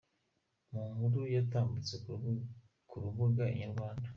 Mu nkuru yatambutse ku rubuga Inyarwanda.